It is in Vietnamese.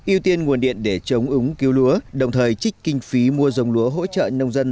ưu tiên nguồn điện để chống ứng cứu lúa đồng thời trích kinh phí mua dòng lúa hỗ trợ nông dân